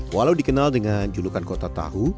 walau dikenal dengan julukan kota tahu